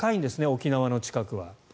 沖縄の近くは。